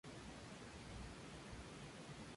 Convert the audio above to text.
Disponían de un cañón y perfecto conocimiento del terreno.